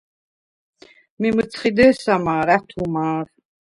მი მჷცხი დე̄სა მა̄რ, ა̈თუ მა̄რ.